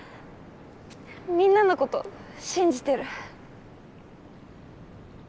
みんなのこと信じてる。